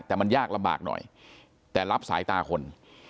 แต่มันยากลำบากหน่อยแต่รับสายตาคน